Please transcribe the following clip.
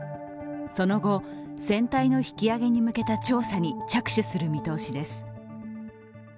その後、船体の引き揚げに向けた調査に着手する見通しです。